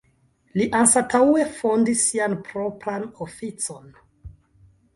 Li anstataŭe fondis sian propran oficon.